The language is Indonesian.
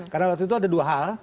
karena waktu itu ada dua hal